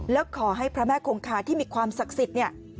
แล้วขอให้พระแม่คงคาที่มีความศักดิ์สิทธิ์เนี่ย